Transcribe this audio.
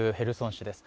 市です。